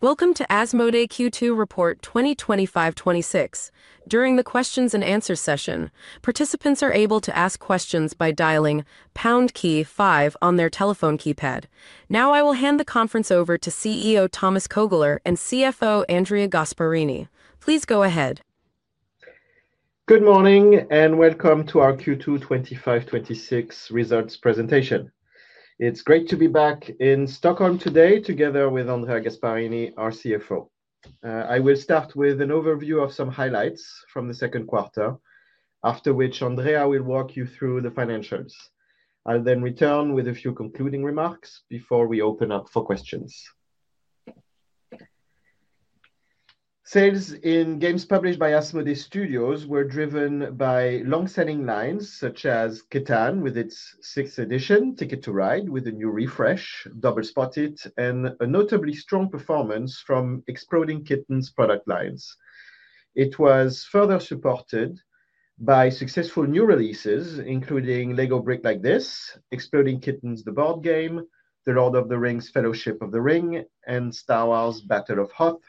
Welcome to Asmodee Q2 Report 2025-2026. During the Q&A session, participants are able to ask questions by dialing #5 on their telephone keypad. Now, I will hand the conference over to CEO Thomas Koegler and CFO Andrea Gasparini. Please go ahead. Good morning and welcome to our Q2 2025-2026 Results Presentation. It's great to be back in Stockholm today together with Andrea Gasparini, our CFO. I will start with an overview of some highlights from the second quarter, after which Andrea will walk you through the financials. I'll then return with a few concluding remarks before we open up for questions. Sales in games published by Asmodee Studios were driven by long-selling lines such as CATAN with its sixth edition, Ticket to Ride, with a new refresh, Spot It!, and a notably strong performance from Exploding Kittens' product lines. It was further supported by successful new releases, including LEGO Brick Like This, Exploding Kittens: The Board Game, The Lord of the Rings: Fellowship of the Ring, and Star Wars: Battle of Hoth.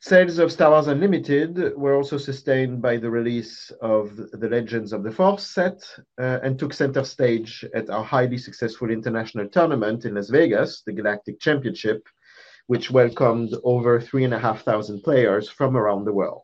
Sales of Star Wars: Unlimited were also sustained by the release of the Legends of the Force set and took center stage at our highly successful international tournament in Las Vegas, the Galactic Championship, which welcomed over 3,500 players from around the world.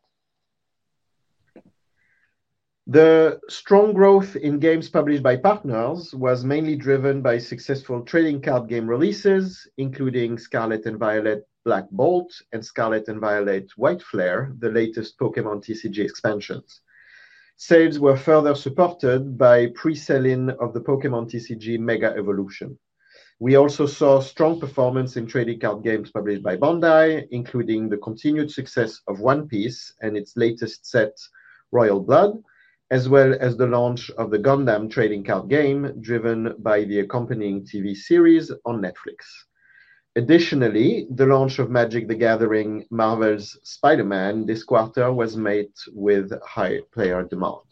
The strong growth in games published by partners was mainly driven by successful trading card game releases, including Scarlet & Violet: Black Bolt and Scarlet & Violet: White Flare, the latest Pokémon TCG expansions. Sales were further supported by pre-selling of the Pokémon TCG Mega Evolution. We also saw strong performance in trading card games published by Bandai Namco, including the continued success of One Piece and its latest set, Royal Blood, as well as the launch of the Gundam Trading Card Game driven by the accompanying TV series on Netflix. Additionally, the launch of Magic: The Gathering - Marvel's Spider-Man this quarter was met with high player demand.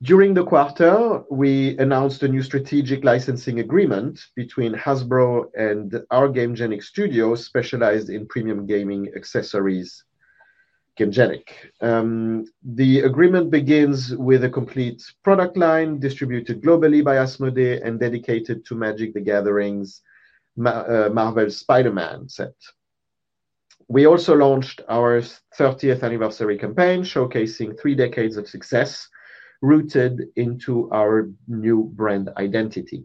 During the quarter, we announced a new strategic licensing agreement between Hasbro and our Gamegenic Studios, specialized in premium gaming accessories Gamegenic. The agreement begins with a complete product line distributed globally by Asmodee and dedicated to Magic: The Gathering's Marvel's Spider-Man set. We also launched our 30th anniversary campaign, showcasing three decades of success rooted into our new brand identity.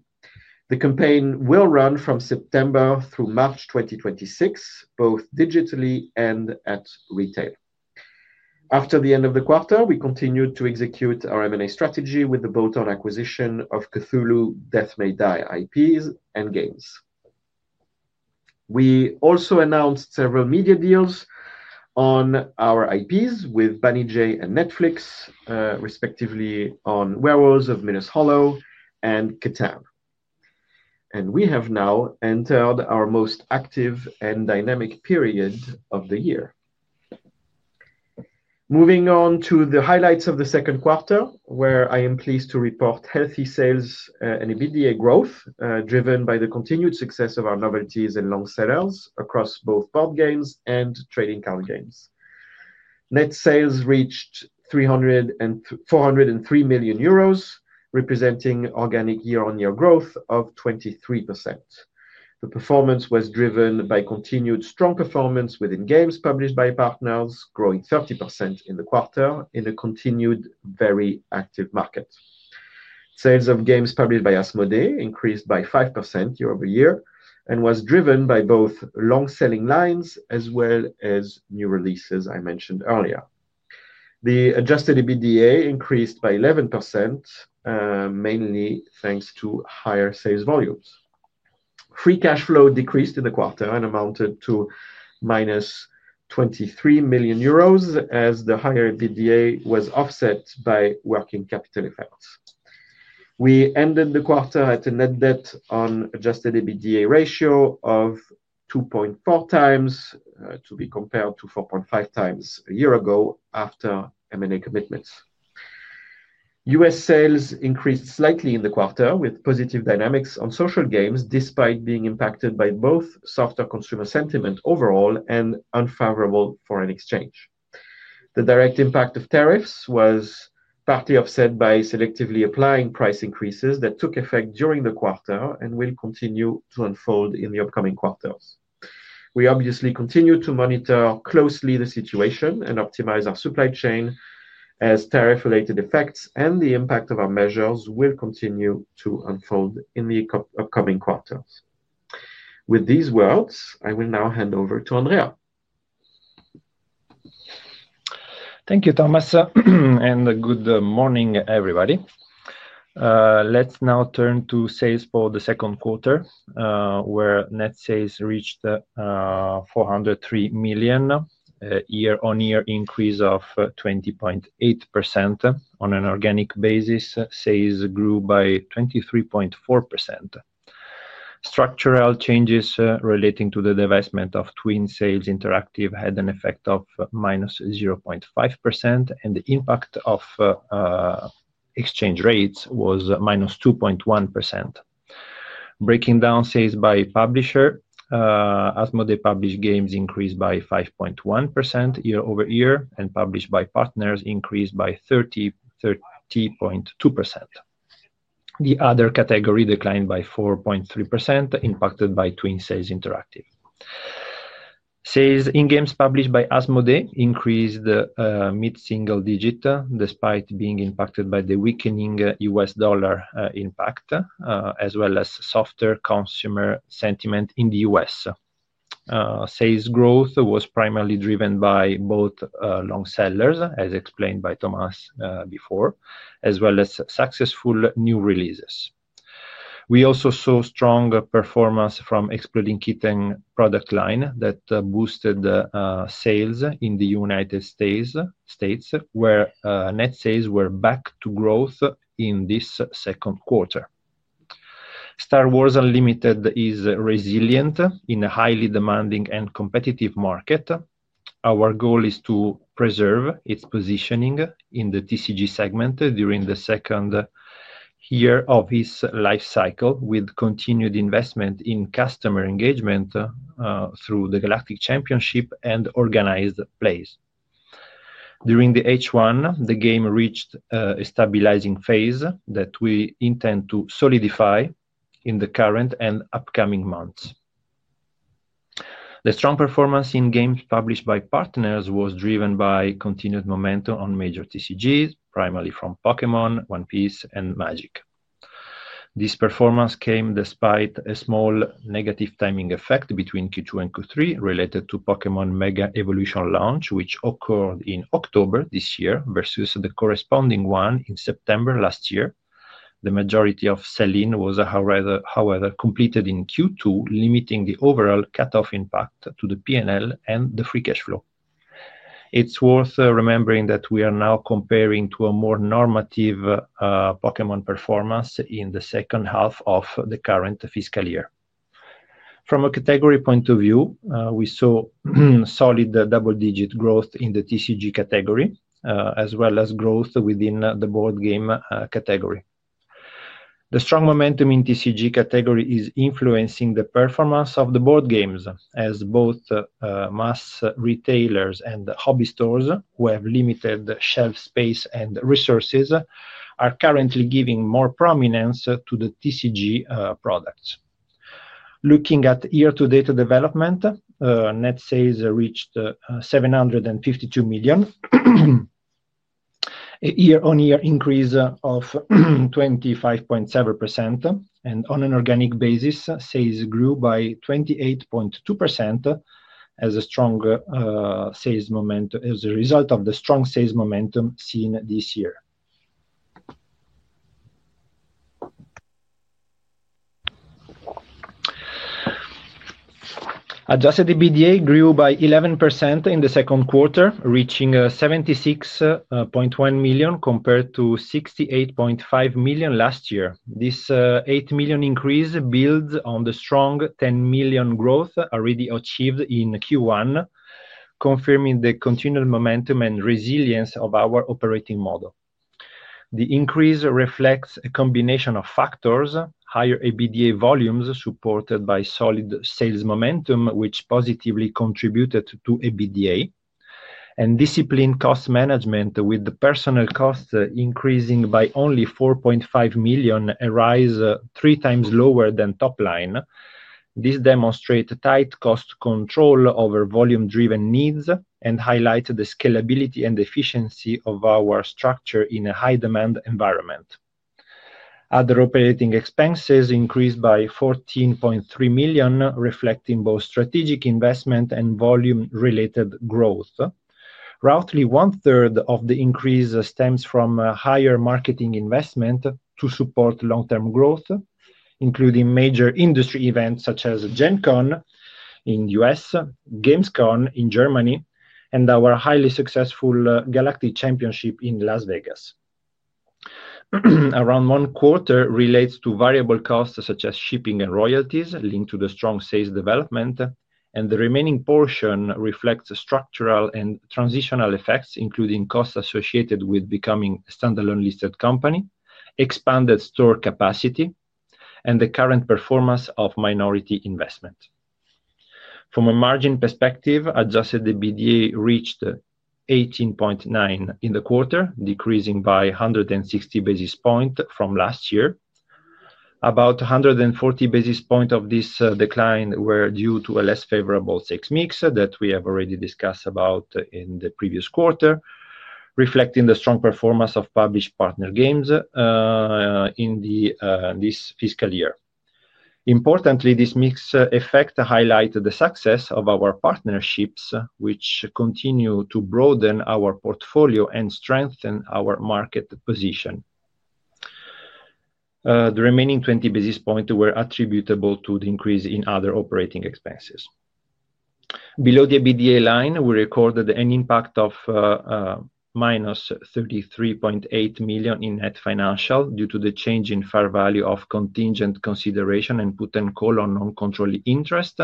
The campaign will run from September through March 2026, both digitally and at retail. After the end of the quarter, we continued to execute our M&A strategy with the bolt-on acquisition of Cthulhu: Death May Die IPs and games. We also announced several media deals on our IPs with Banijay and Netflix, respectively on Werewolves of Millers Hollow and CATAN. We have now entered our most active and dynamic period of the year. Moving on to the highlights of the second quarter, where I am pleased to report healthy sales and immediate growth driven by the continued success of our novelties and long sellers across both board games and trading card games. Net sales reached 403 million euros, representing organic year-on-year growth of 23%. The performance was driven by continued strong performance within games published by partners, growing 30% in the quarter in a continued very active market. Sales of games published by Asmodee increased by 5% year-over-year and was driven by both long-selling lines as well as new releases I mentioned earlier. The adjusted EBITDA increased by 11%, mainly thanks to higher sales volumes. Free cash flow decreased in the quarter and amounted to -23 million euros, as the higher EBITDA was offset by working capital effects. We ended the quarter at a net debt-on-adjusted EBITDA ratio of 2.4 times, to be compared to 4.5 times a year ago after M&A commitments. US sales increased slightly in the quarter, with positive dynamics on social games, despite being impacted by both softer consumer sentiment overall and unfavorable foreign exchange. The direct impact of tariffs was partly offset by selectively applying price increases that took effect during the quarter and will continue to unfold in the upcoming quarters. We obviously continue to monitor closely the situation and optimize our supply chain, as tariff-related effects and the impact of our measures will continue to unfold in the upcoming quarters. With these words, I will now hand over to Andrea. Thank you, Thomas, and good morning, everybody. Let's now turn to sales for the second quarter, where net sales reached 403 million, a year-on-year increase of 20.8%. On an organic basis, sales grew by 23.4%. Structural changes relating to the divestment of Twin Sails Interactive had an effect of -0.5%, and the impact of exchange rates was -2.1%. Breaking down sales by publisher, Asmodee published games increased by 5.1% year-over-year, and published by partners increased by 30.2%. The other category declined by 4.3%, impacted by Twin Sails Interactive. Sales in games published by Asmodee increased mid-single digit, despite being impacted by the weakening U.S. dollar impact, as well as softer consumer sentiment in the U.S. Sales growth was primarily driven by both long sellers, as explained by Thomas before, as well as successful new releases. We also saw strong performance from Exploding Kittens' product line that boosted sales in the United States, where net sales were back to growth in this second quarter. Star Wars Unlimited is resilient in a highly demanding and competitive market. Our goal is to preserve its positioning in the TCG segment during the second year of its life cycle, with continued investment in customer engagement through the Galactic Championship and organized plays. During the H1, the game reached a stabilizing phase that we intend to solidify in the current and upcoming months. The strong performance in games published by partners was driven by continued momentum on major TCGs, primarily from Pokémon, One Piece, and Magic. This performance came despite a small negative timing effect between Q2 and Q3 related to Pokémon TCG Mega Evolution launch, which occurred in October this year versus the corresponding one in September last year. The majority of selling, however, completed in Q2, limiting the overall cutoff impact to the P&L and the free cash flow. It's worth remembering that we are now comparing to a more normative Pokémon performance in the second half of the current fiscal year. From a category point of view, we saw solid double-digit growth in the TCG category, as well as growth within the board game category. The strong momentum in TCG category is influencing the performance of the board games, as both mass retailers and hobby stores, who have limited shelf space and resources, are currently giving more prominence to the TCG products. Looking at year-to-date development, net sales reached EUR 752 million, a year-on-year increase of 25.7%, and on an organic basis, sales grew by 28.2% as a result of the strong sales momentum seen this year. Adjusted EBITDA grew by 11% in the second quarter, reaching 76.1 million compared to 68.5 million last year. This 8 million increase builds on the strong 10 million growth already achieved in Q1, confirming the continued momentum and resilience of our operating model. The increase reflects a combination of factors: higher EBITDA volumes supported by solid sales momentum, which positively contributed to EBITDA, and disciplined cost management, with personnel costs increasing by only 4.5 million, a rise three times lower than top line. This demonstrates tight cost control over volume-driven needs and highlights the scalability and efficiency of our structure in a high-demand environment. Other operating expenses increased by 14.3 million, reflecting both strategic investment and volume-related growth. Roughly one-third of the increase stems from higher marketing investment to support long-term growth, including major industry events such as GenCon in the US, GamesCon in Germany, and our highly successful Galactic Championship in Las Vegas. Around one quarter relates to variable costs such as shipping and royalties linked to the strong sales development, and the remaining portion reflects structural and transitional effects, including costs associated with becoming a standalone listed company, expanded store capacity, and the current performance of minority investment. From a margin perspective, adjusted EBITDA reached 18.9 million in the quarter, decreasing by 160 basis points from last year. About 140 basis points of this decline were due to a less favorable sales mix that we have already discussed about in the previous quarter, reflecting the strong performance of published partner games in this fiscal year. Importantly, this mix effect highlights the success of our partnerships, which continue to broaden our portfolio and strengthen our market position. The remaining 20 basis points were attributable to the increase in other operating expenses. Below the EBITDA line, we recorded an impact of minus 33.8 million in net financial due to the change in fair value of contingent consideration and put and call on non-controlled interest.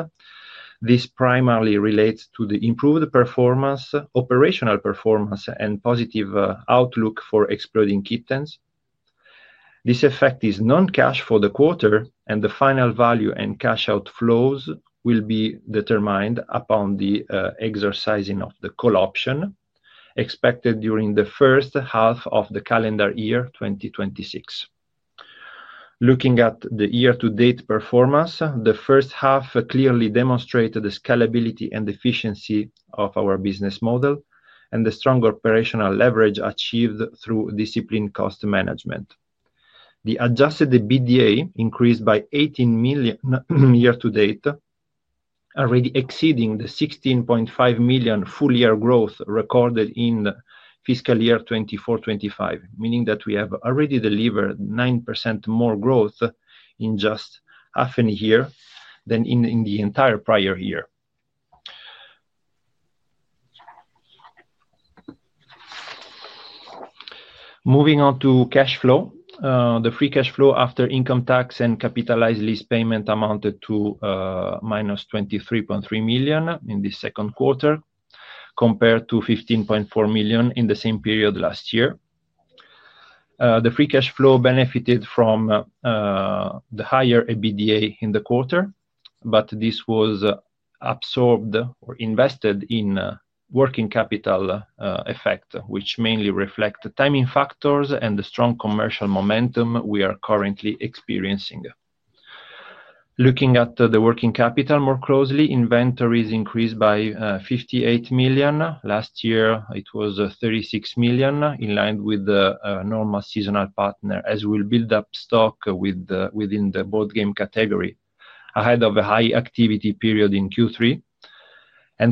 This primarily relates to the improved performance, operational performance, and positive outlook for Exploding Kittens. This effect is non-cash for the quarter, and the final value and cash outflows will be determined upon the exercising of the call option expected during the first half of the calendar year 2026. Looking at the year-to-date performance, the first half clearly demonstrated the scalability and efficiency of our business model and the strong operational leverage achieved through disciplined cost management. The adjusted EBITDA increased by 18 million year-to-date, already exceeding the 16.5 million full-year growth recorded in fiscal year 2024-2025, meaning that we have already delivered 9% more growth in just half a year than in the entire prior year. Moving on to cash flow, the free cash flow after income tax and capitalized lease payment amounted to -23.3 million in this second quarter, compared to 15.4 million in the same period last year. The free cash flow benefited from the higher EBITDA in the quarter, but this was absorbed or invested in working capital effect, which mainly reflects timing factors and the strong commercial momentum we are currently experiencing. Looking at the working capital more closely, inventories increased by 58 million. Last year, it was 36 million, in line with the normal seasonal pattern, as we build up stock within the board game category ahead of a high activity period in Q3.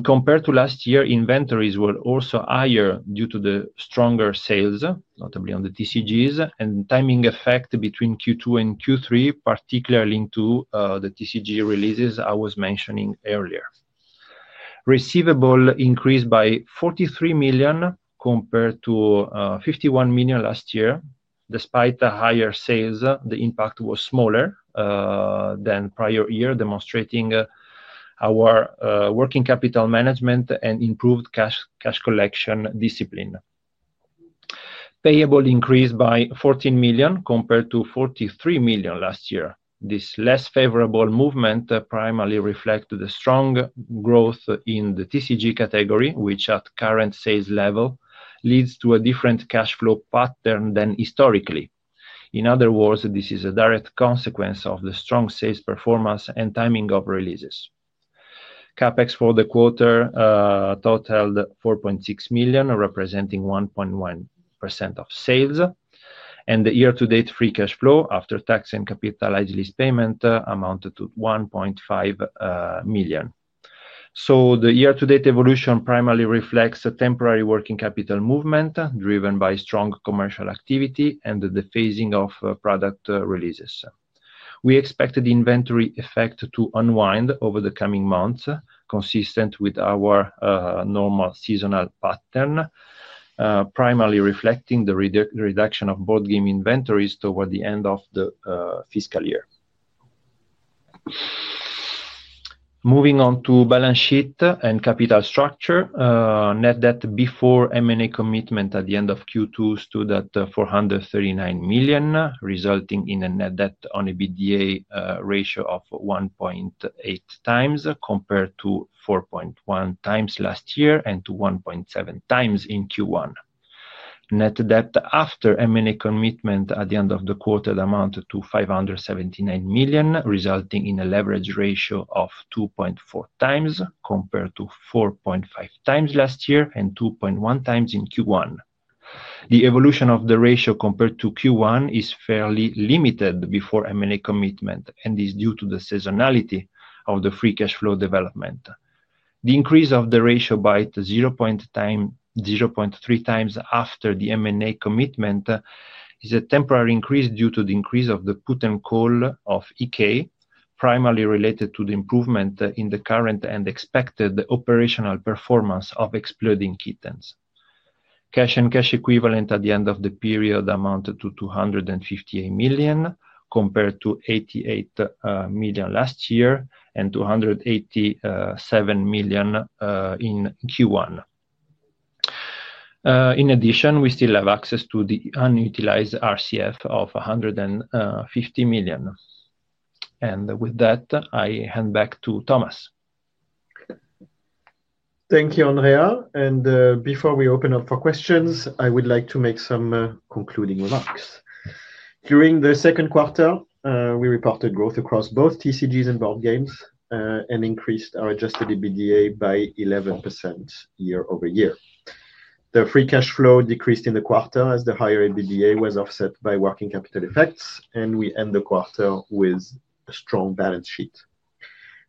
Compared to last year, inventories were also higher due to the stronger sales, notably on the TCGs, and timing effect between Q2 and Q3, particularly into the TCG releases I was mentioning earlier. Receivable increased by 43 million compared to 51 million last year. Despite the higher sales, the impact was smaller than prior year, demonstrating our working capital management and improved cash collection discipline. Payable increased by 14 million compared to 43 million last year. This less favorable movement primarily reflects the strong growth in the TCG category, which at current sales level leads to a different cash flow pattern than historically. In other words, this is a direct consequence of the strong sales performance and timing of releases. CapEx for the quarter totaled 4.6 million, representing 1.1% of sales, and the year-to-date free cash flow after tax and capitalized lease payment amounted to 1.5 million. The year-to-date evolution primarily reflects a temporary working capital movement driven by strong commercial activity and the phasing of product releases. We expect the inventory effect to unwind over the coming months, consistent with our normal seasonal pattern, primarily reflecting the reduction of board game inventories toward the end of the fiscal year. Moving on to balance sheet and capital structure, net debt before M&A commitment at the end of Q2 stood at 439 million, resulting in a net debt on EBITDA ratio of 1.8 times compared to 4.1 times last year and to 1.7 times in Q1. Net debt after M&A commitment at the end of the quarter amounted to 579 million, resulting in a leverage ratio of 2.4 times compared to 4.5 times last year and 2.1 times in Q1. The evolution of the ratio compared to Q1 is fairly limited before M&A commitment, and this is due to the seasonality of the free cash flow development. The increase of the ratio by 0.3 times after the M&A commitment is a temporary increase due to the increase of the put and call of EK, primarily related to the improvement in the current and expected operational performance of Exploding Kittens. Cash and cash equivalent at the end of the period amounted to 258 million compared to 88 million last year and 287 million in Q1. In addition, we still have access to the unutilized RCF of 150 million. With that, I hand back to Thomas. Thank you, Andrea. Before we open up for questions, I would like to make some concluding remarks. During the second quarter, we reported growth across both TCGs and board games and increased our adjusted EBITDA by 11% year-over-year. The free cash flow decreased in the quarter as the higher EBITDA was offset by working capital effects, and we end the quarter with a strong balance sheet.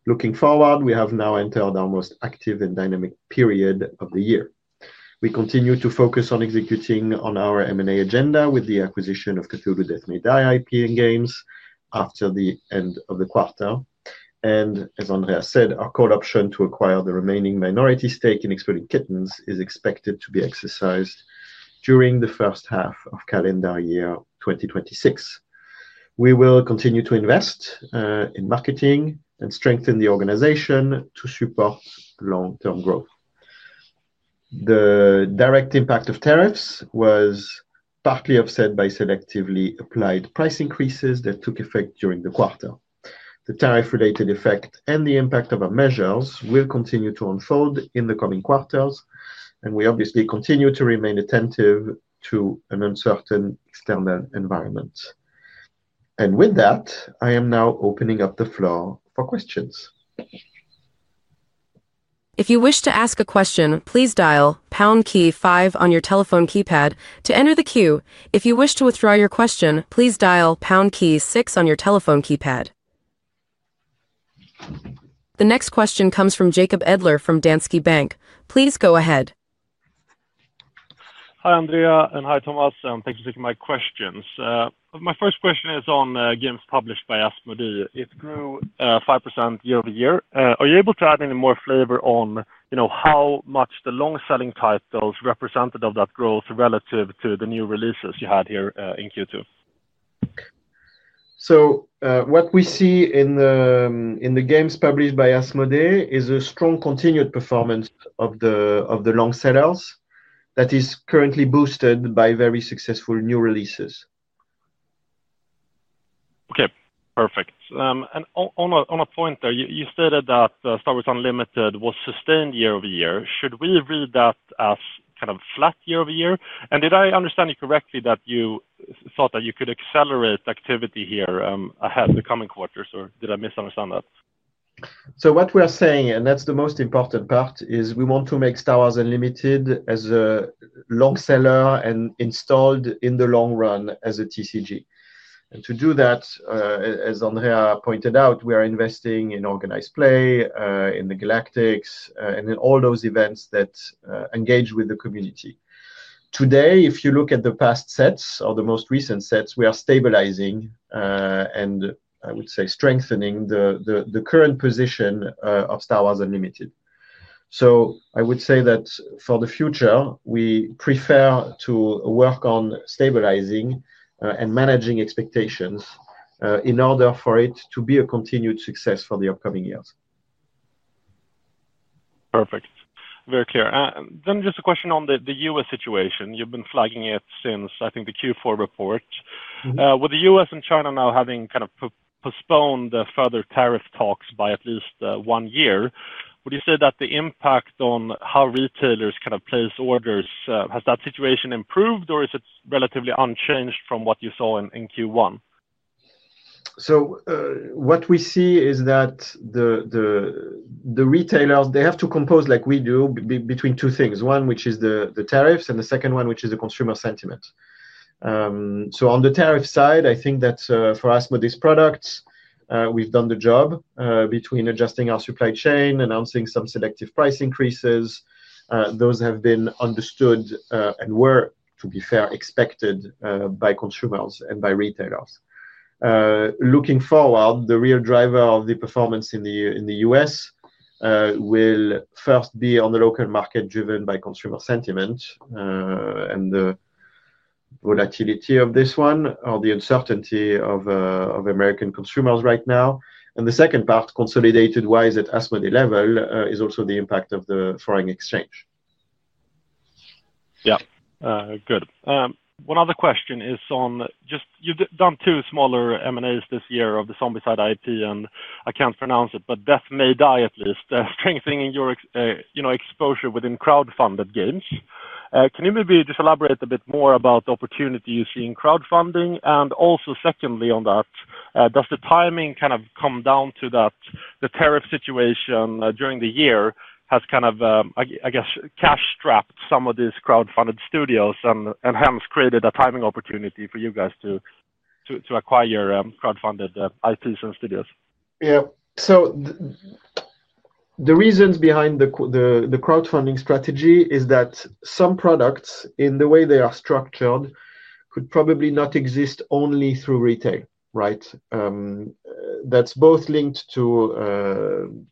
Looking forward, we have now entered our most active and dynamic period of the year. We continue to focus on executing on our M&A agenda with the acquisition of Death May Die IP and games after the end of the quarter. As Andrea said, our call option to acquire the remaining minority stake in Exploding Kittens is expected to be exercised during the first half of calendar year 2026. We will continue to invest in marketing and strengthen the organization to support long-term growth. The direct impact of tariffs was partly offset by selectively applied price increases that took effect during the quarter. The tariff-related effect and the impact of our measures will continue to unfold in the coming quarters, and we obviously continue to remain attentive to an uncertain external environment. With that, I am now opening up the floor for questions. If you wish to ask a question, please dial #5 on your telephone keypad to enter the queue. If you wish to withdraw your question, please dial #6 on your telephone keypad. The next question comes from Jacob Edler from Danske Bank. Please go ahead. Hi, Andrea, and hi, Thomas. Thanks for taking my questions. My first question is on games published by Asmodee. It grew 5% year-over-year. Are you able to add any more flavor on how much the long-selling titles represented of that growth relative to the new releases you had here in Q2? What we see in the games published by Asmodee is a strong continued performance of the long sellers that is currently boosted by very successful new releases. Okay. Perfect. On a point there, you stated that Star Wars: Unlimited was sustained year-over-year. Should we read that as kind of flat year-over-year? Did I understand you correctly that you thought that you could accelerate activity here ahead of the coming quarters, or did I misunderstand that? What we are saying, and that's the most important part, is we want to make Star Wars: Unlimited as a long seller and installed in the long run as a TCG. To do that, as Andrea pointed out, we are investing in organized play, in the Galactics, and in all those events that engage with the community. Today, if you look at the past sets or the most recent sets, we are stabilizing and, I would say, strengthening the current position of Star Wars Unlimited. I would say that for the future, we prefer to work on stabilizing and managing expectations in order for it to be a continued success for the upcoming years. Perfect. Very clear. Just a question on the U.S. situation. You've been flagging it since, I think, the Q4 report. With the U.S. and China now having kind of postponed further tariff talks by at least one year, would you say that the impact on how retailers kind of place orders, has that situation improved, or is it relatively unchanged from what you saw in Q1? What we see is that the retailers, they have to compose, like we do, between two things. One, which is the tariffs, and the second one, which is the consumer sentiment. On the tariff side, I think that for Asmodee's products, we've done the job between adjusting our supply chain, announcing some selective price increases. Those have been understood and were, to be fair, expected by consumers and by retailers. Looking forward, the real driver of the performance in the U.S. will first be on the local market driven by consumer sentiment and the volatility of this one or the uncertainty of American consumers right now. The second part, consolidated-wise at Asmodee level, is also the impact of the foreign exchange. Yeah. Good. One other question is on just you've done two smaller M&As this year of the Zombicide IP, and I can't pronounce it, but Death May Die at least, strengthening your exposure within crowdfunded games. Can you maybe just elaborate a bit more about the opportunity you see in crowdfunding? Also, secondly on that, does the timing kind of come down to that the tariff situation during the year has kind of, I guess, cash strapped some of these crowdfunded studios and hence created a timing opportunity for you guys to acquire crowdfunded IPs and studios? Yeah. The reasons behind the crowdfunding strategy is that some products, in the way they are structured, could probably not exist only through retail, right? That's both linked to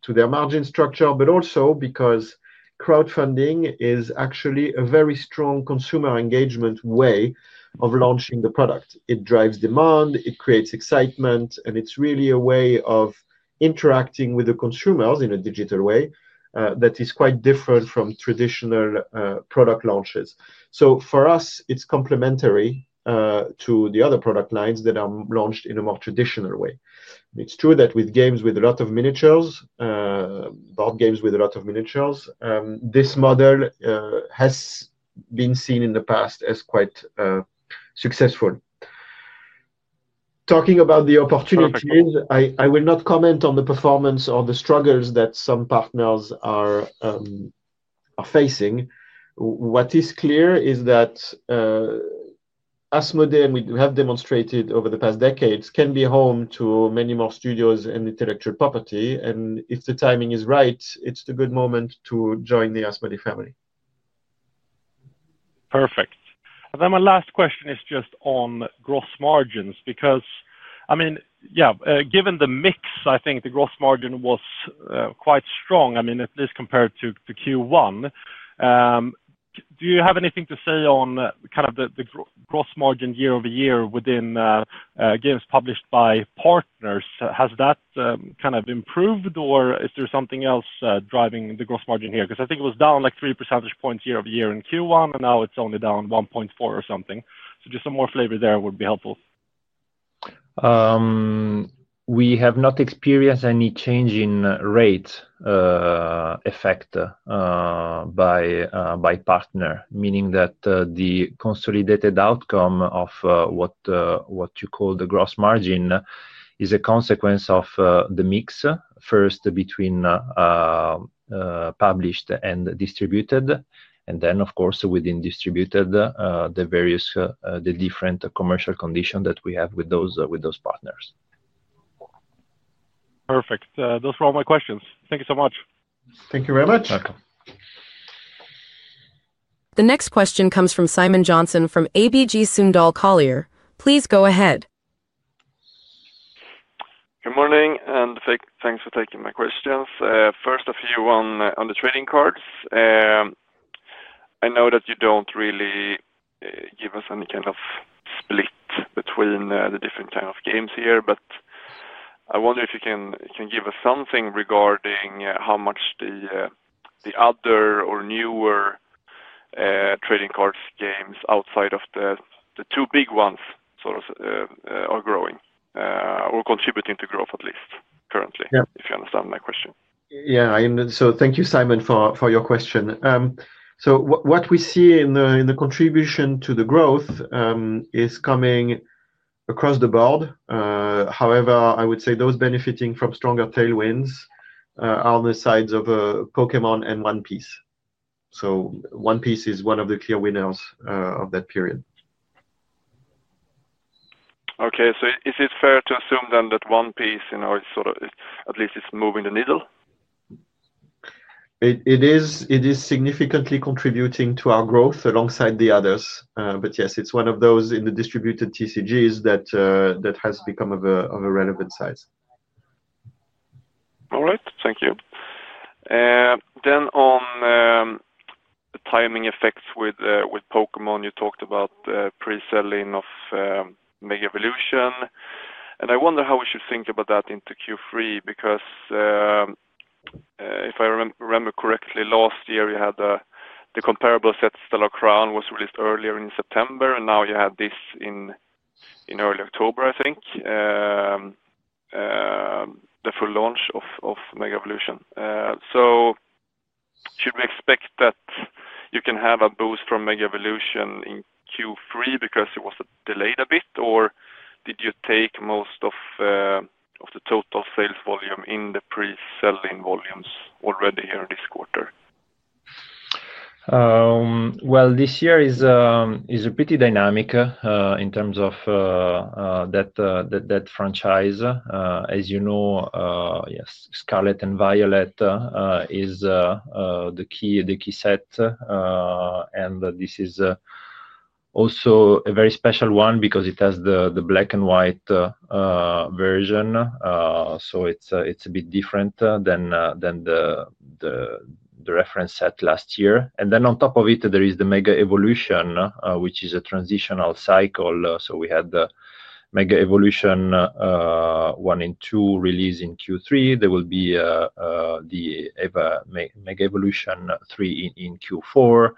their margin structure, but also because crowdfunding is actually a very strong consumer engagement way of launching the product. It drives demand, it creates excitement, and it's really a way of interacting with the consumers in a digital way that is quite different from traditional product launches. For us, it's complementary to the other product lines that are launched in a more traditional way. It's true that with games with a lot of miniatures, board games with a lot of miniatures, this model has been seen in the past as quite successful. Talking about the opportunities, I will not comment on the performance or the struggles that some partners are facing. What is clear is that Asmodee, and we have demonstrated over the past decades, can be home to many more studios and intellectual property. If the timing is right, it's the good moment to join the Asmodee family. Perfect. My last question is just on gross margins because, I mean, yeah, given the mix, I think the gross margin was quite strong, I mean, at least compared to Q1. Do you have anything to say on kind of the gross margin year-over-year within games published by partners? Has that kind of improved, or is there something else driving the gross margin here? I think it was down like 3 percentage points year-over-year in Q1, and now it's only down 1.4 or something. Just some more flavor there would be helpful. We have not experienced any change in rate effect by partner, meaning that the consolidated outcome of what you call the gross margin is a consequence of the mix first between published and distributed, and then, of course, within distributed, the different commercial conditions that we have with those partners. Perfect. Those were all my questions. Thank you so much. Thank you very much. You're welcome. The next question comes from Simon Johnson from ABG Sundal Collier. Please go ahead. Good morning, and thanks for taking my questions. First, a few on the trading cards. I know that you don't really give us any kind of split between the different kinds of games here, but I wonder if you can give us something regarding how much the other or newer trading cards games outside of the two big ones sort of are growing or contributing to growth, at least currently, if you understand my question. Yeah. Thank you, Simon, for your question. What we see in the contribution to the growth is coming across the board. However, I would say those benefiting from stronger tailwinds are on the sides of Pokémon and One Piece. One Piece is one of the clear winners of that period. Okay. Is it fair to assume then that One Piece is sort of at least moving the needle? It is significantly contributing to our growth alongside the others. Yes, it is one of those in the distributed TCGs that has become of a relevant size. All right. Thank you. On the timing effects with Pokémon, you talked about pre-selling of Mega Evolution. I wonder how we should think about that into Q3 because if I remember correctly, last year, you had the comparable set, Stellar Crown, released earlier in September, and now you had this in early October, I think, the full launch of Mega Evolution. Should we expect that you can have a boost from Mega Evolution in Q3 because it was delayed a bit, or did you take most of the total sales volume in the pre-selling volumes already here this quarter? This year is pretty dynamic in terms of that franchise. As you know, yes, Scarlet and Violet is the key set, and this is also a very special one because it has the black and white version. It is a bit different than the reference set last year. On top of it, there is the Mega Evolution, which is a transitional cycle. We had the Mega Evolution 1 and 2 release in Q3. There will be the Mega Evolution 3 in Q4,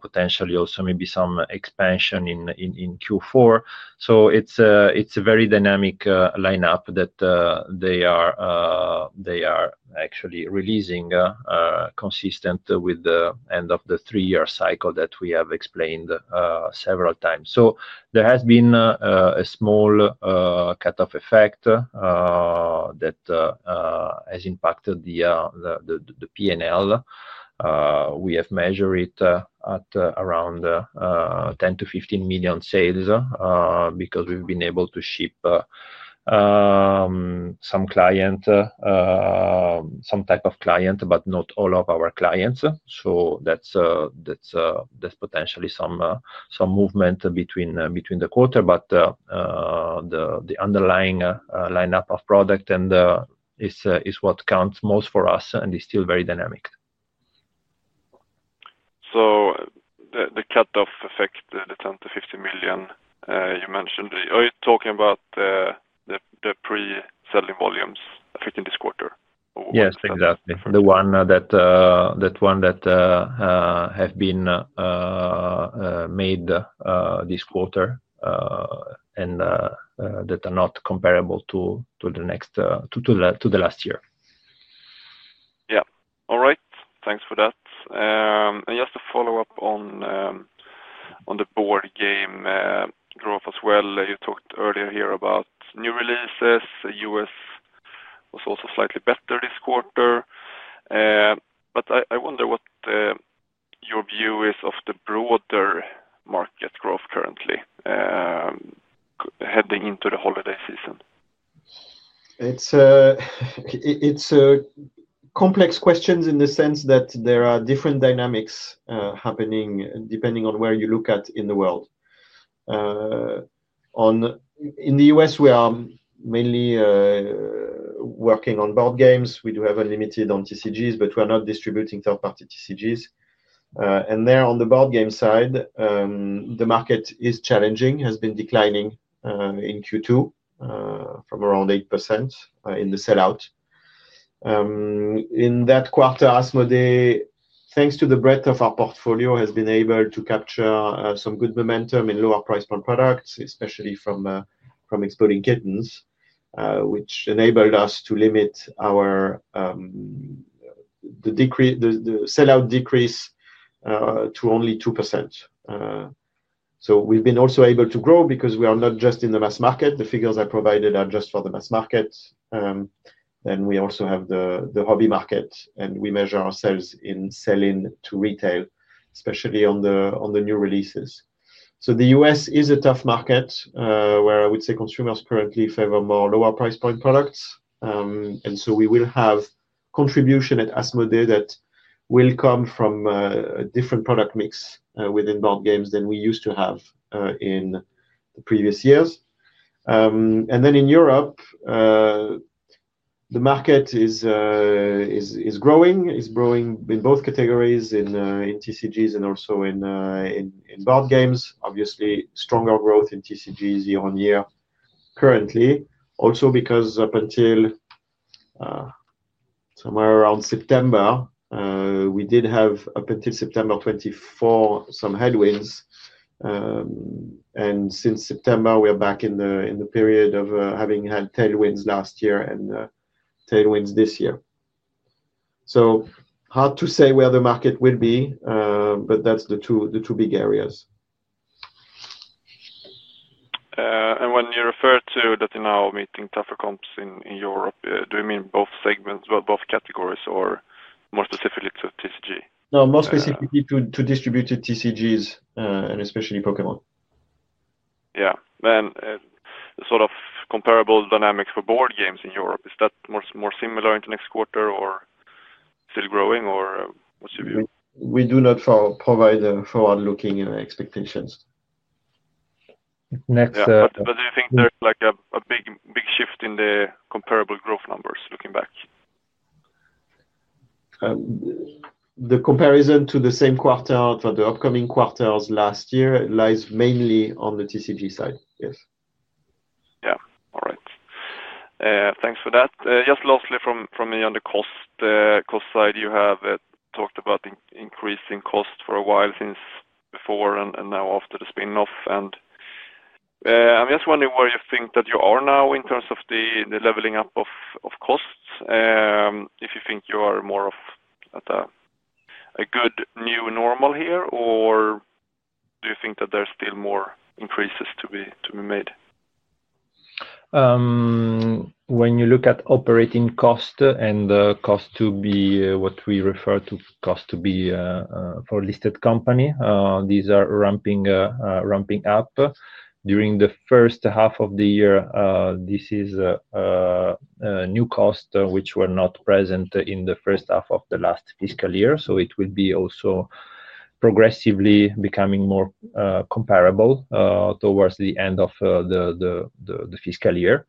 potentially also maybe some expansion in Q4. It is a very dynamic lineup that they are actually releasing consistent with the end of the three-year cycle that we have explained several times. There has been a small cut-off effect that has impacted the P&L. We have measured it at around 10 million-15 million sales because we have been able to ship some clients, some type of client, but not all of our clients. That's potentially some movement between the quarter, but the underlying lineup of product is what counts most for us and is still very dynamic. The cut-off effect, the 10-15 million you mentioned, are you talking about the pre-selling volumes affecting this quarter? Yes, exactly. The ones that have been made this quarter and that are not comparable to the next to the last year. Yeah. All right. Thanks for that. Just to follow up on the board game growth as well, you talked earlier here about new releases. US was also slightly better this quarter. I wonder what your view is of the broader market growth currently heading into the holiday season. It's a complex question in the sense that there are different dynamics happening depending on where you look at in the world. In the US, we are mainly working on board games. We do have Unlimited on TCGs, but we are not distributing third-party TCGs. There on the board game side, the market is challenging, has been declining in Q2 from around 8% in the sellout. In that quarter, Asmodee, thanks to the breadth of our portfolio, has been able to capture some good momentum in lower price per product, especially from Exploding Kittens, which enabled us to limit the sellout decrease to only 2%. We have also been able to grow because we are not just in the mass market. The figures I provided are just for the mass market. We also have the hobby market, and we measure ourselves in selling to retail, especially on the new releases. The US is a tough market where I would say consumers currently favor more lower price point products. We will have contribution at Asmodee that will come from a different product mix within board games than we used to have in the previous years. In Europe, the market is growing. It is growing in both categories, in TCGs and also in board games. Obviously, stronger growth in TCGs year on year currently, also because up until somewhere around September, we did have up until September 2024 some headwinds. Since September, we are back in the period of having had tailwinds last year and tailwinds this year. It is hard to say where the market will be, but that is the two big areas. When you refer to that in our meeting tougher comps in Europe, do you mean both segments, both categories, or more specifically to TCG? No, more specifically to distributed TCGs and especially Pokémon. Yeah. Sort of comparable dynamics for board games in Europe, is that more similar into next quarter or still growing, or what's your view? We do not provide forward-looking expectations. Do you think there's a big shift in the comparable growth numbers looking back? The comparison to the same quarter for the upcoming quarters last year lies mainly on the TCG side, yes. Yeah. All right. Thanks for that. Just lastly from me on the cost side, you have talked about increasing cost for a while since before and now after the spinoff. I'm just wondering where you think that you are now in terms of the leveling up of costs, if you think you are more of at a good new normal here, or do you think that there's still more increases to be made? When you look at operating cost and cost to be, what we refer to cost to be for a listed company, these are ramping up. During the first half of the year, this is a new cost which were not present in the first half of the last fiscal year. It will be also progressively becoming more comparable towards the end of the fiscal year.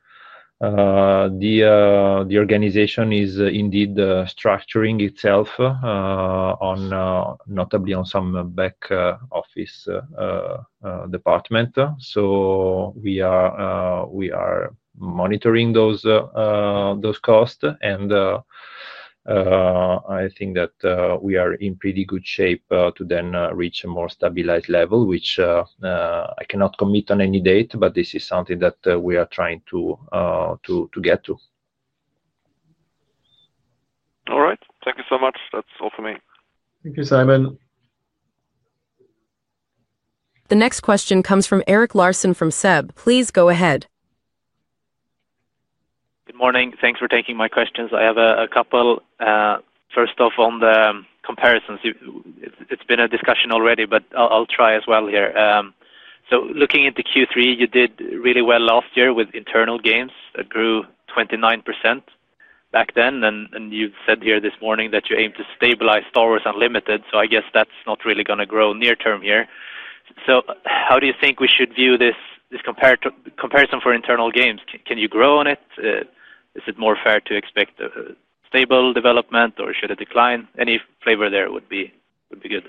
The organization is indeed structuring itself notably on some back office department. We are monitoring those costs, and I think that we are in pretty good shape to then reach a more stabilized level, which I cannot commit on any date, but this is something that we are trying to get to. All right. Thank you so much. That's all for me. Thank you, Simon. The next question comes from Eric Larsson from SEB. Please go ahead. Good morning. Thanks for taking my questions. I have a couple. First off, on the comparisons, it's been a discussion already, but I'll try as well here. Looking into Q3, you did really well last year with internal games that grew 29% back then. You've said here this morning that you aim to stabilize Star Wars: Unlimited. I guess that's not really going to grow near-term here. How do you think we should view this comparison for internal games? Can you grow on it? Is it more fair to expect stable development, or should it decline? Any flavor there would be good.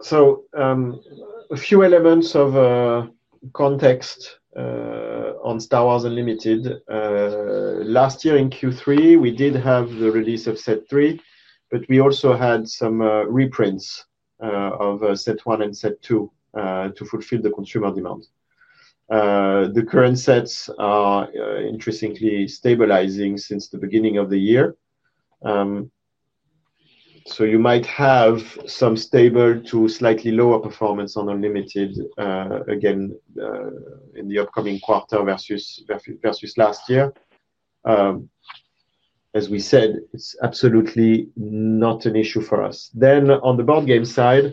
A few elements of context on Star Wars: Unlimited. Last year in Q3, we did have the release of set three, but we also had some reprints of set one and set two to fulfill the consumer demand. The current sets are interestingly stabilizing since the beginning of the year. You might have some stable to slightly lower performance on Unlimited again in the upcoming quarter versus last year. As we said, it's absolutely not an issue for us. On the board game side,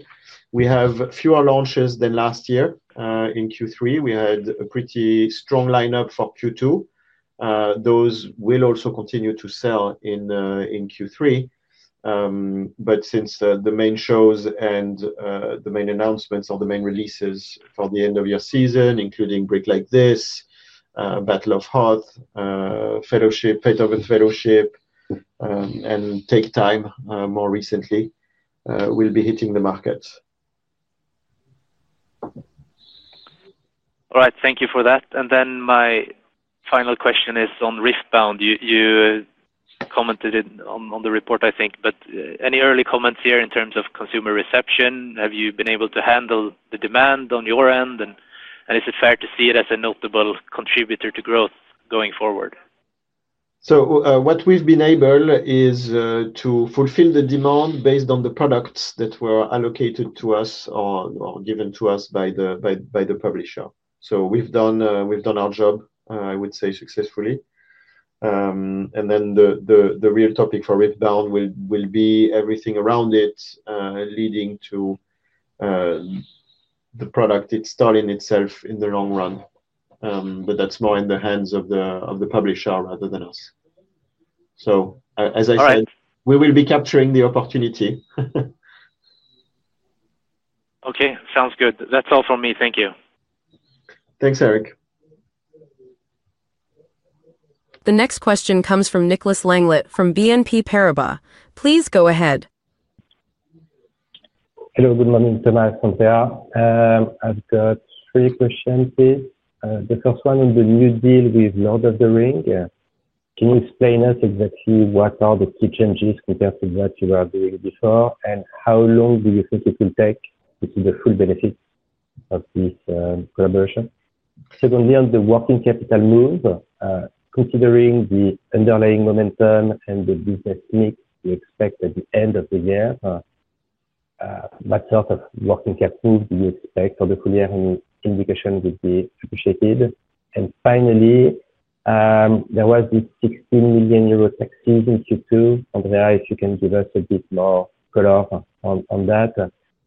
we have fewer launches than last year. In Q3, we had a pretty strong lineup for Q2. Those will also continue to sell in Q3. Since the main shows and the main announcements or the main releases for the end of year season, including Brick Like This, Battle of Hoth, Fate of the Fellowship, and Take Time more recently, will be hitting the market. All right. Thank you for that. My final question is on wristband. You commented on the report, I think, but any early comments here in terms of consumer reception? Have you been able to handle the demand on your end? Is it fair to see it as a notable contributor to growth going forward? What we've been able to do is fulfill the demand based on the products that were allocated to us or given to us by the publisher. We've done our job, I would say, successfully. The real topic for wristband will be everything around it leading to the product installing itself in the long run. That is more in the hands of the publisher rather than us. As I said, we will be capturing the opportunity. Okay. Sounds good. That's all from me. Thank you. Thanks, Eric. The next question comes from Nicholas Langlet from BNP Paribas. Please go ahead. Hello. Good morning, Thomas. I've got three questions, please. The first one on the new deal with The Lord of the Rings. Can you explain to us exactly what are the key changes compared to what you were doing before, and how long do you think it will take to see the full benefits of this collaboration? Secondly, on the working capital move, considering the underlying momentum and the business mix you expect at the end of the year, what sort of working capital do you expect for the full year indication would be appreciated? Finally, there was this 16 million euro tax season Q2. Andrea, if you can give us a bit more color on that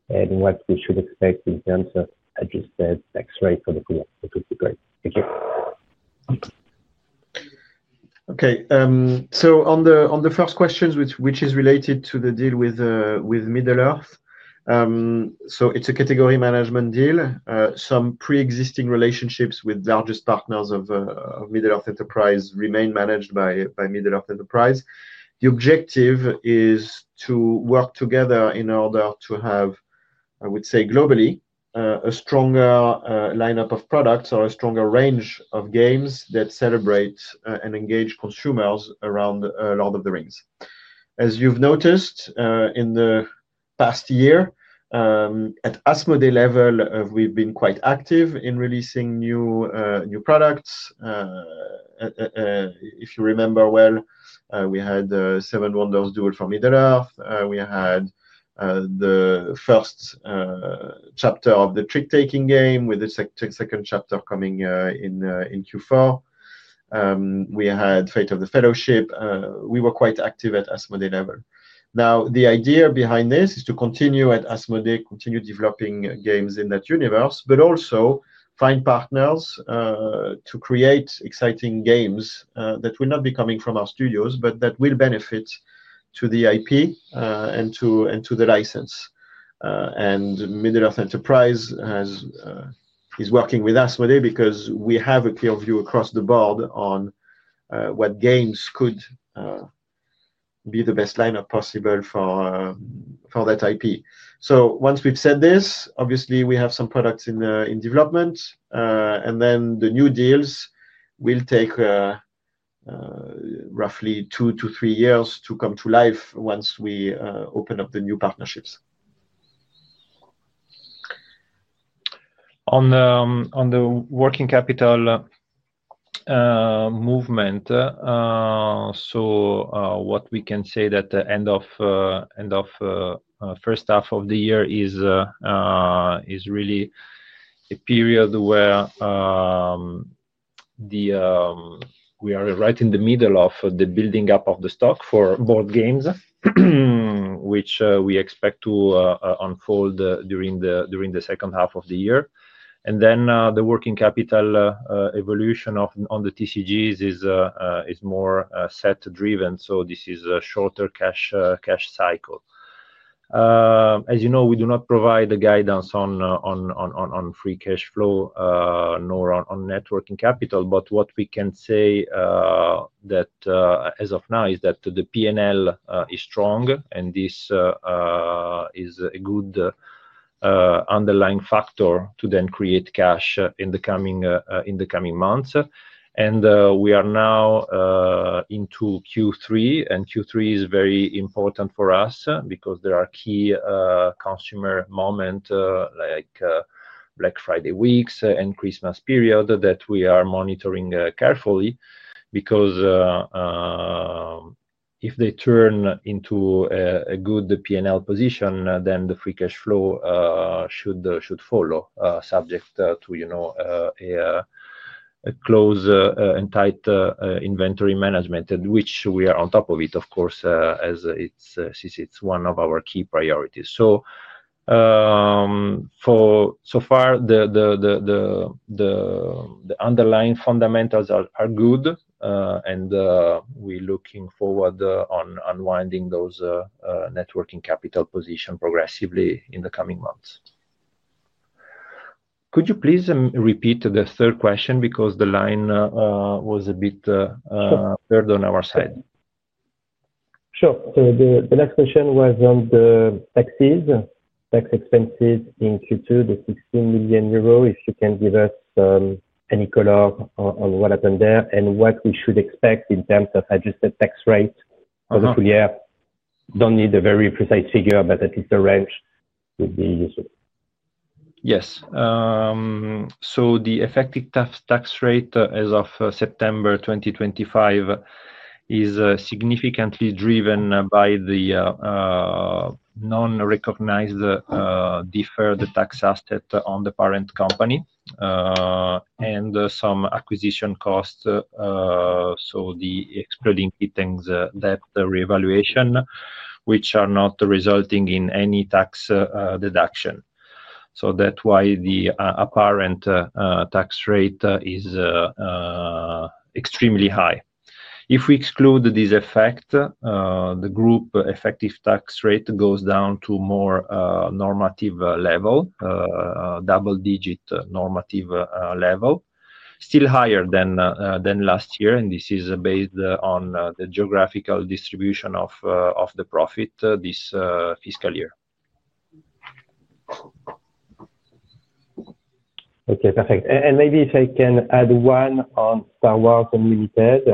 and what we should expect in terms of adjusted tax rate for the full year. That would be great. Thank you. Okay. On the first question, which is related to the deal with Middle-earth, it is a category management deal. Some pre-existing relationships with the largest partners of Middle-earth Enterprises remain managed by Middle-earth Enterprises. The objective is to work together in order to have, I would say, globally, a stronger lineup of products or a stronger range of games that celebrate and engage consumers around The Lord of the Rings. As you've noticed in the past year, at Asmodee level, we've been quite active in releasing new products. If you remember well, we had 7 Wonders Duel: Pantheon for Middle-earth. We had the first chapter of the Trick-Taking Game with the second chapter coming in Q4. We had Fate of the Fellowship. We were quite active at Asmodee level. The idea behind this is to continue at Asmodee, continue developing games in that universe, but also find partners to create exciting games that will not be coming from our studios, but that will benefit to the IP and to the license. Middle-earth Enterprises is working with Asmodee because we have a clear view across the board on what games could be the best lineup possible for that IP. Once we've said this, obviously, we have some products in development. The new deals will take roughly two to three years to come to life once we open up the new partnerships. On the working capital movement, what we can say is that the end of the first half of the year is really a period where we are right in the middle of the building up of the stock for board games, which we expect to unfold during the second half of the year. The working capital evolution on the TCGs is more set-driven. This is a shorter cash cycle. As you know, we do not provide the guidance on free cash flow nor on net working capital. What we can say as of now is that the P&L is strong, and this is a good underlying factor to then create cash in the coming months. We are now into Q3, and Q3 is very important for us because there are key consumer moments like Black Friday weeks and Christmas period that we are monitoring carefully. Because if they turn into a good P&L position, then the free cash flow should follow, subject to a close and tight inventory management, which we are on top of it, of course, as it is one of our key priorities. So far, the underlying fundamentals are good, and we are looking forward to unwinding those networking capital positions progressively in the coming months. Could you please repeat the third question because the line was a bit blurred on our side? Sure. The next question was on the taxes, tax expenses in Q2, the 16 million euro. If you can give us any color on what happened there and what we should expect in terms of adjusted tax rate for the full year. Do not need a very precise figure, but at least a range would be useful. Yes. The effective tax rate as of September 2025 is significantly driven by the non-recognized deferred tax assets on the parent company and some acquisition costs, so the Exploding Kittens debt reevaluation, which are not resulting in any tax deduction. That is why the apparent tax rate is extremely high. If we exclude this effect, the group effective tax rate goes down to a more normative level, double-digit normative level, still higher than last year. This is based on the geographical distribution of the profit this fiscal year. Okay. Perfect. Maybe if I can add one on Star Wars: Unlimited,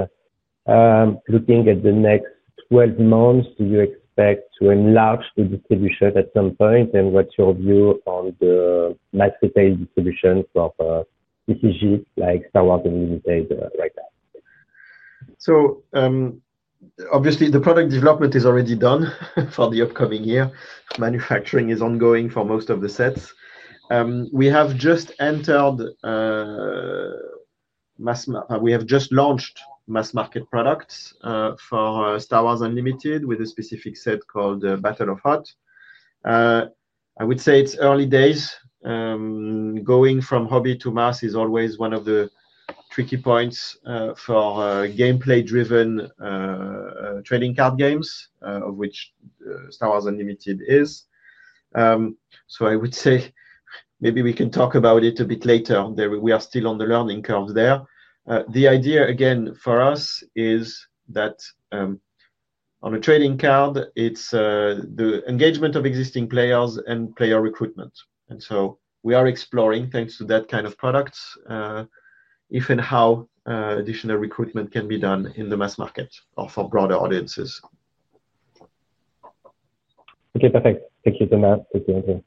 looking at the next 12 months, do you expect to enlarge the distribution at some point? What is your view on the mass retail distribution for TCGs like Star Wars: Unlimited right now? Obviously, the product development is already done for the upcoming year. Manufacturing is ongoing for most of the sets. We have just entered mass, we have just launched mass market products for Star Wars: Unlimited with a specific set called Battle of Hoth. I would say it's early days. Going from hobby to mass is always one of the tricky points for gameplay-driven trading card games, of which Star Wars: Unlimited is. I would say maybe we can talk about it a bit later. We are still on the learning curve there. The idea, again, for us is that on a trading card, it's the engagement of existing players and player recruitment. We are exploring, thanks to that kind of products, if and how additional recruitment can be done in the mass market or for broader audiences. Okay. Perfect. Thank you, Thomas. Thank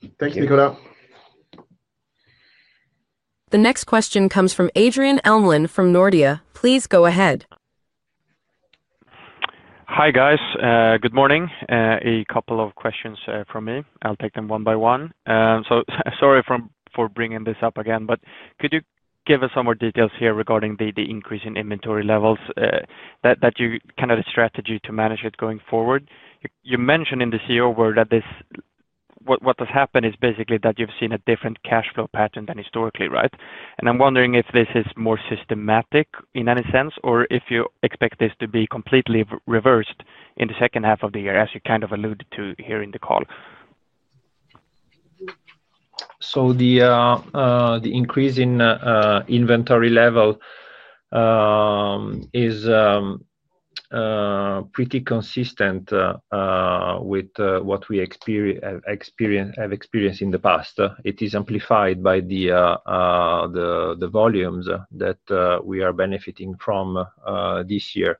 you, Andrea. Thanks, Nicholas. The next question comes from Adrian Elmlund from Nordea. Please go ahead. Hi, guys. Good morning. A couple of questions from me. I'll take them one by one. Sorry for bringing this up again, but could you give us some more details here regarding the increase in inventory levels that you kind of the strategy to manage it going forward? You mentioned in the CEO word that what has happened is basically that you've seen a different cash flow pattern than historically, right? I'm wondering if this is more systematic in any sense, or if you expect this to be completely reversed in the second half of the year, as you kind of alluded to here in the call. The increase in inventory level is pretty consistent with what we have experienced in the past. It is amplified by the volumes that we are benefiting from this year.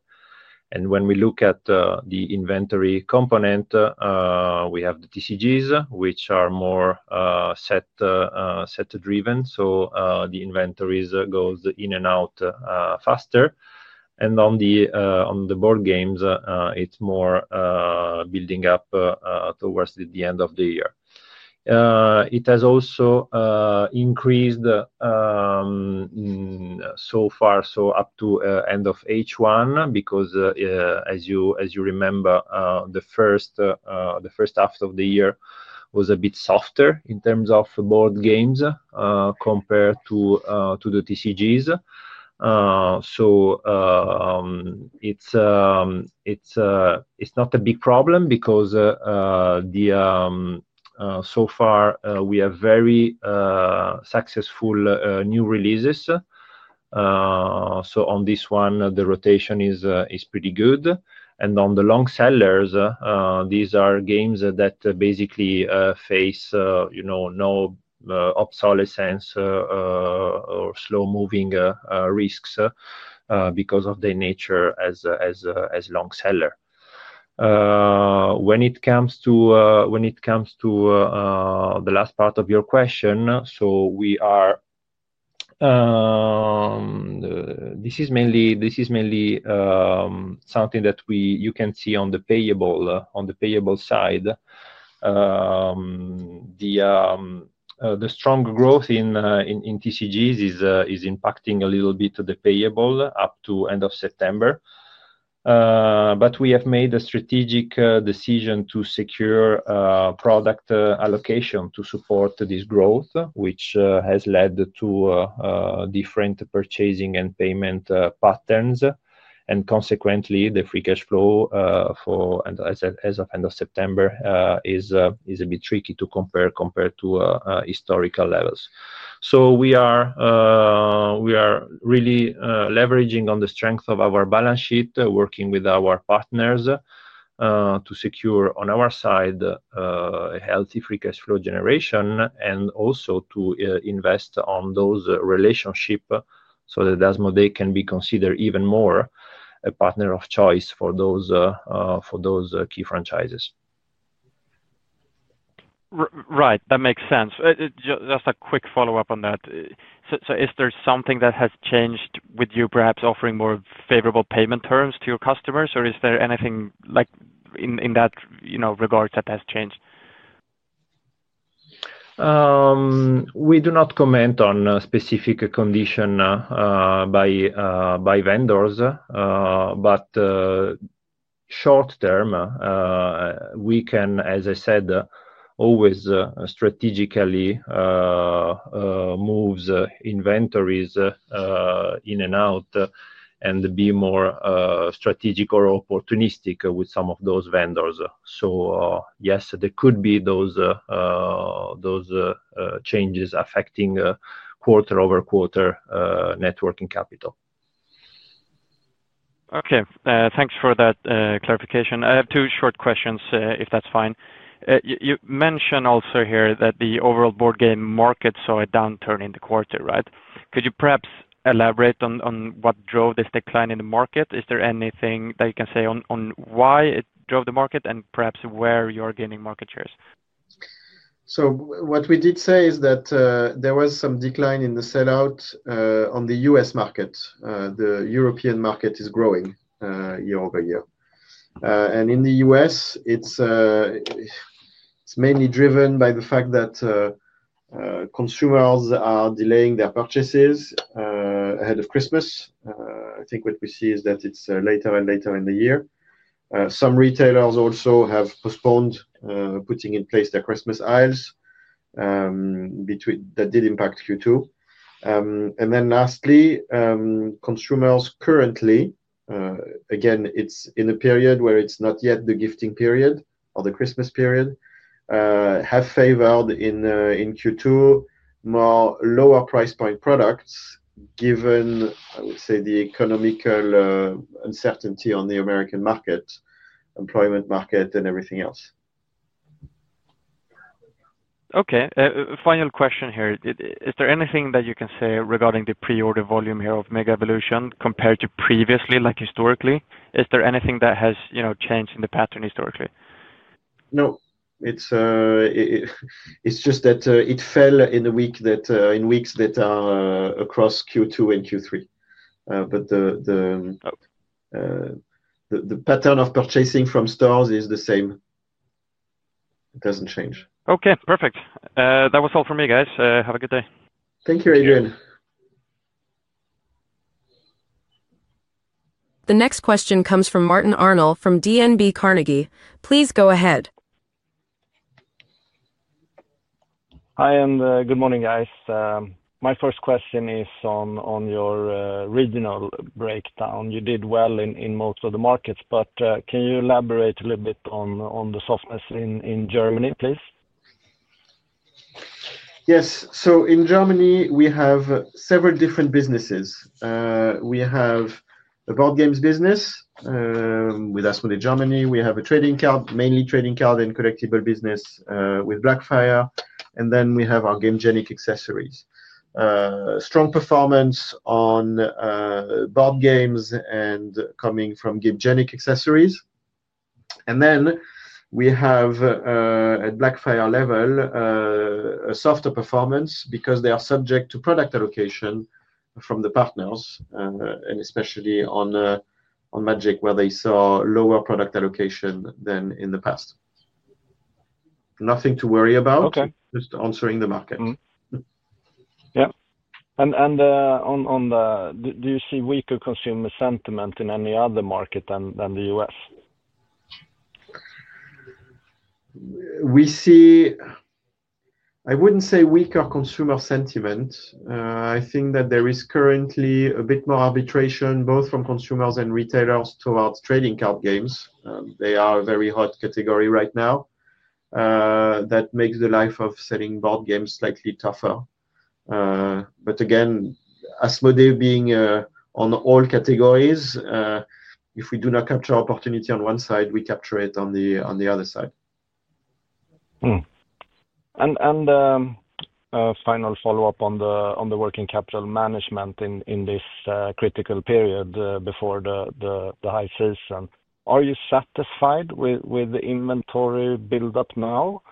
When we look at the inventory component, we have the TCGs, which are more set-driven. The inventories go in and out faster. On the board games, it is more building up towards the end of the year. It has also increased so far up to end of H1 because, as you remember, the first half of the year was a bit softer in terms of board games compared to the TCGs. It is not a big problem because so far we have very successful new releases. On this one, the rotation is pretty good. On the long sellers, these are games that basically face no obsolescence or slow-moving risks because of their nature as long seller. When it comes to the last part of your question, this is mainly something that you can see on the payable side. The strong growth in TCGs is impacting a little bit of the payable up to end of September. We have made a strategic decision to secure product allocation to support this growth, which has led to different purchasing and payment patterns. Consequently, the free cash flow as of end of September is a bit tricky to compare compared to historical levels. We are really leveraging on the strength of our balance sheet, working with our partners to secure on our side a healthy free cash flow generation and also to invest on those relationships so that Asmodee can be considered even more a partner of choice for those key franchises. Right. That makes sense. Just a quick follow-up on that. Is there something that has changed with you, perhaps offering more favorable payment terms to your customers, or is there anything in that regard that has changed? We do not comment on specific conditions by vendors. Short term, we can, as I said, always strategically move inventories in and out and be more strategic or opportunistic with some of those vendors. Yes, there could be those changes affecting quarter-over-quarter networking capital. Okay. Thanks for that clarification. I have two short questions, if that's fine. You mentioned also here that the overall board game market saw a downturn in the quarter, right? Could you perhaps elaborate on what drove this decline in the market? Is there anything that you can say on why it drove the market and perhaps where you are gaining market shares? What we did say is that there was some decline in the sellout on the U.S. market. The European market is growing year over year. In the U.S., it's mainly driven by the fact that consumers are delaying their purchases ahead of Christmas. I think what we see is that it's later and later in the year. Some retailers also have postponed putting in place their Christmas aisles. That did impact Q2. Lastly, consumers currently, again, it's in a period where it's not yet the gifting period or the Christmas period, have favored in Q2 more lower price point products given, I would say, the economic uncertainty on the American market, employment market, and everything else. Okay. Final question here. Is there anything that you can say regarding the pre-order volume here of Mega Evolution compared to previously, like historically? Is there anything that has changed in the pattern historically? No. It's just that it fell in weeks that are across Q2 and Q3. The pattern of purchasing from stores is the same. It doesn't change. Okay. Perfect. That was all for me, guys. Have a good day. Thank you, Adrian. The next question comes from Martin Arnold from DNB Markets. Please go ahead. Hi, and good morning, guys. My first question is on your regional breakdown. You did well in most of the markets, but can you elaborate a little bit on the softness in Germany, please? Yes. In Germany, we have several different businesses. We have a board games business with Asmodee Germany. We have a trading card, mainly trading card and collectible business with Blackfire. We have our Gamegenic accessories. Strong performance on board games and coming from Gamegenic accessories. Then we have, at Blackfire level, a softer performance because they are subject to product allocation from the partners, and especially on Magic, where they saw lower product allocation than in the past. Nothing to worry about, just answering the market. Yep. Do you see weaker consumer sentiment in any other market than the U.S.? I would not say weaker consumer sentiment. I think that there is currently a bit more arbitration, both from consumers and retailers, towards trading card games. They are a very hot category right now. That makes the life of selling board games slightly tougher. Again, Asmodee being on all categories, if we do not capture opportunity on one side, we capture it on the other side. Final follow-up on the working capital management in this critical period before the high season. Are you satisfied with the inventory build-up now?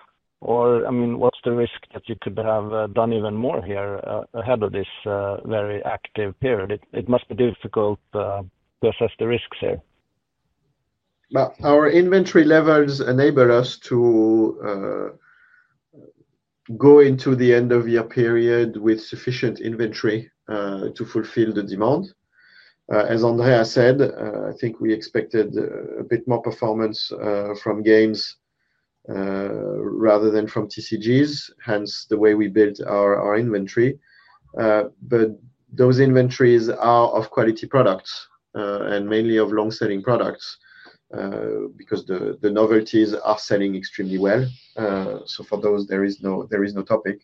I mean, what's the risk that you could have done even more here ahead of this very active period? It must be difficult to assess the risks here. Our inventory levels enable us to go into the end-of-year period with sufficient inventory to fulfill the demand. As Andrea said, I think we expected a bit more performance from games rather than from TCGs, hence the way we built our inventory. Those inventories are of quality products and mainly of long-selling products because the novelties are selling extremely well. For those, there is no topic.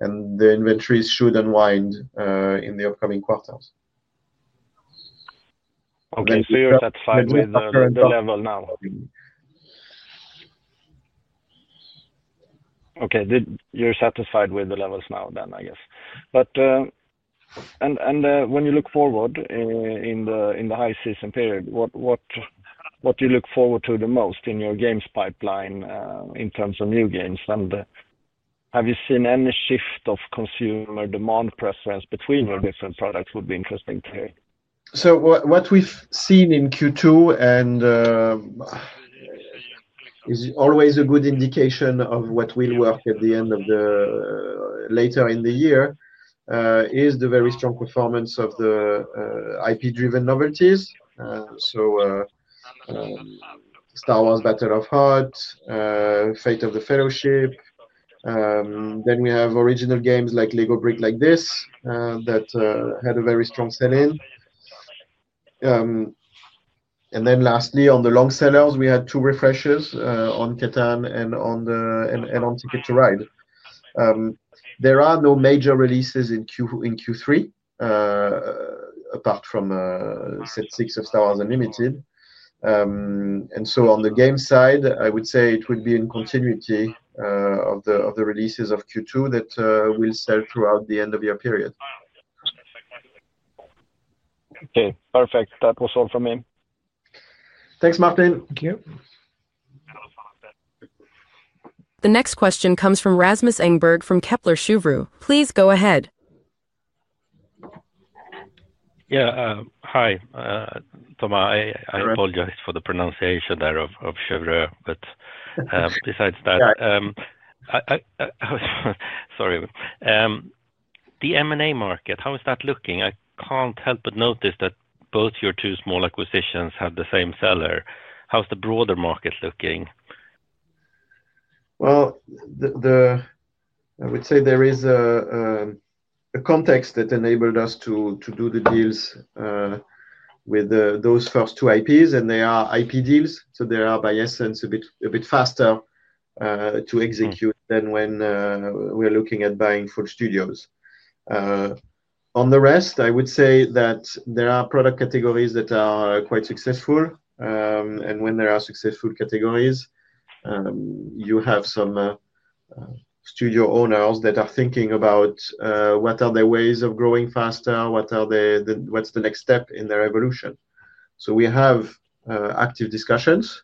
The inventories should unwind in the upcoming quarters. Okay. You're satisfied with the level now? Okay. You're satisfied with the levels now then, I guess. When you look forward in the high-season period, what do you look forward to the most in your games pipeline in terms of new games? Have you seen any shift of consumer demand preference between your different products? Would be interesting to hear. What we've seen in Q2 and is always a good indication of what will work at the end of the later in the year is the very strong performance of the IP-driven novelties. Star Wars: Battle of Hoth, Fate of the Fellowship. We have original games like LEGO Brick Like This that had a very strong sell-in. Lastly, on the long sellers, we had two refreshes on CATAN and on Ticket to Ride. There are no major releases in Q3 apart from Set 6 of Star Wars: Unlimited. On the game side, I would say it will be in continuity of the releases of Q2 that will sell throughout the end-of-year period. Okay. Perfect. That was all from me. Thanks, Martin. Thank you. The next question comes from Rasmus Engberg from Kepler Cheuvreux. Please go ahead. Yeah. Hi, Thomas. I apologize for the pronunciation there of Cheuvreux. But besides that, sorry. The M&A market, how is that looking? I can't help but notice that both your two small acquisitions have the same seller. How's the broader market looking? I would say there is a context that enabled us to do the deals with those first two IPs, and they are IP deals. They are, by essence, a bit faster to execute than when we're looking at buying full studios. On the rest, I would say that there are product categories that are quite successful. When there are successful categories, you have some studio owners that are thinking about what are their ways of growing faster, what's the next step in their evolution. We have active discussions.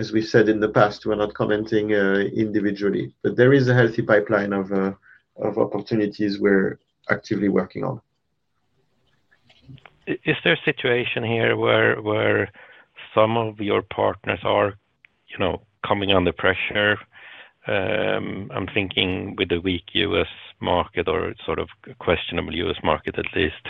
As we said in the past, we're not commenting individually. There is a healthy pipeline of opportunities we're actively working on. Is there a situation here where some of your partners are coming under pressure? I'm thinking with the weak US market or sort of questionable US market, at least.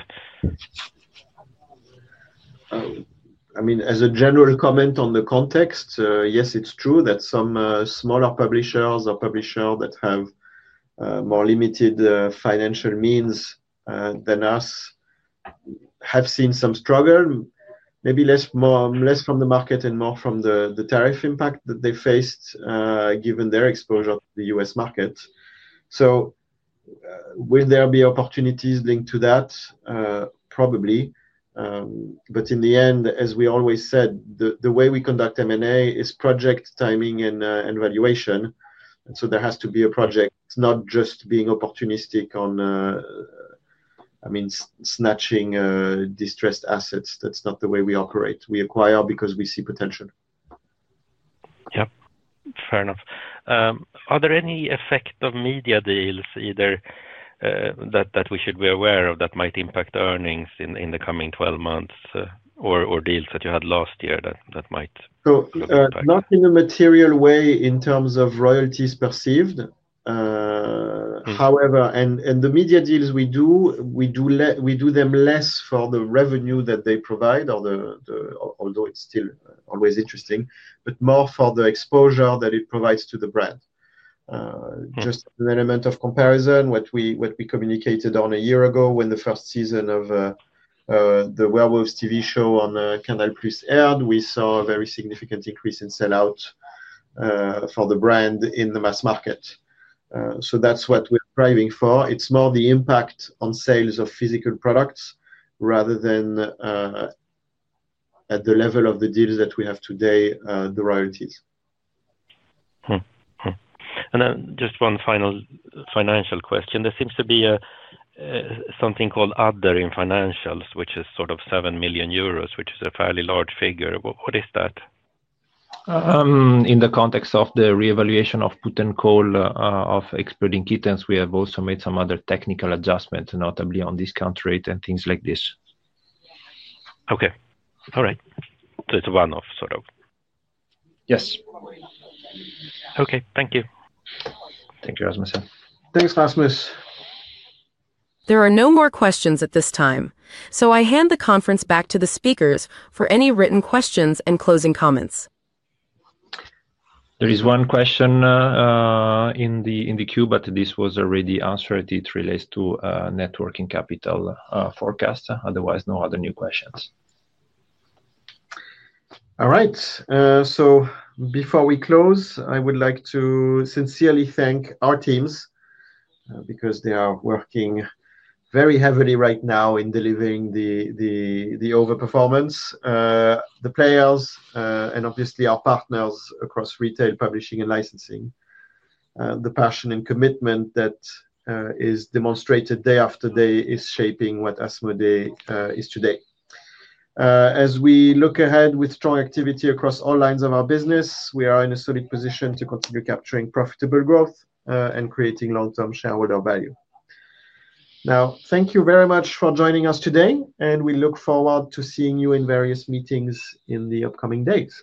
I mean, as a general comment on the context, yes, it's true that some smaller publishers or publishers that have more limited financial means than us have seen some struggle, maybe less from the market and more from the tariff impact that they faced given their exposure to the US market. Will there be opportunities linked to that? Probably. In the end, as we always said, the way we conduct M&A is project timing and valuation. There has to be a project, not just being opportunistic on, I mean, snatching distressed assets. That's not the way we operate. We acquire because we see potential. Yep. Fair enough. Are there any effect of media deals either that we should be aware of that might impact earnings in the coming 12 months or deals that you had last year that might affect? Not in a material way in terms of royalties perceived. However, the media deals we do, we do them less for the revenue that they provide, although it's still always interesting, but more for the exposure that it provides to the brand. Just an element of comparison, what we communicated on a year ago when the first season of the Werewolves of Millers Hollow TV show on CANAL+ aired, we saw a very significant increase in sellout for the brand in the mass market. That's what we're driving for. is more the impact on sales of physical products rather than at the level of the deals that we have today, the royalties. Just one final financial question. There seems to be something called Other in financials, which is sort of 7 million euros, which is a fairly large figure. What is that? In the context of the reevaluation of Put and Call of Exploding Kittens, we have also made some other technical adjustments, notably on discount rate and things like this. Okay. All right. It is a one-off sort of. Yes. Okay. Thank you. Thank you, Rasmus. Thanks, Rasmus. There are no more questions at this time. I hand the conference back to the speakers for any written questions and closing comments. There is one question in the queue, but this was already answered. It relates to working capital forecast. Otherwise, no other new questions. All right. Before we close, I would like to sincerely thank our teams because they are working very heavily right now in delivering the overperformance. The players and obviously our partners across retail, publishing, and licensing. The passion and commitment that is demonstrated day after day is shaping what Asmodee is today. As we look ahead with strong activity across all lines of our business, we are in a solid position to continue capturing profitable growth and creating long-term shareholder value. Now, thank you very much for joining us today, and we look forward to seeing you in various meetings in the upcoming days.